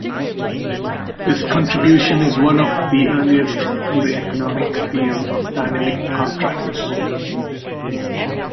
This contribution is one of the earliest in the economic field of dynamic contracts.